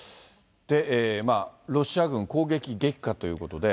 ロシア軍、攻撃激化ということで。